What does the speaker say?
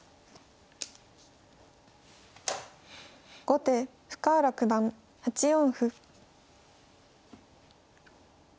後手深浦九段８四歩。